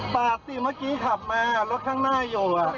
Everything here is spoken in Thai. ปาดสิเมื่อกี้ขับมารถข้างหน้าอยู่